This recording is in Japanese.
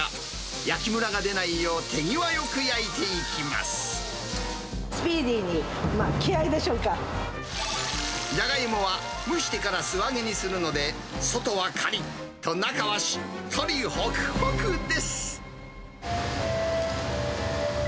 焼きむらが出ないよう、手際よくスピーディーに、気合いでしジャガイモは、蒸してから素揚げにするので、外はかりっと、中はしっとりほくほくです。